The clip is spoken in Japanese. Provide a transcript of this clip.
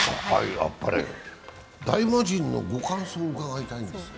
大魔神のご感想を伺いたいんですが。